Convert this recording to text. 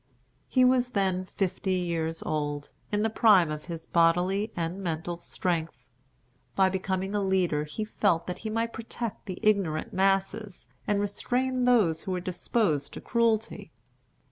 He was then fifty years old, in the prime of his bodily and mental strength. By becoming a leader he felt that he might protect the ignorant masses, and restrain those who were disposed to cruelty.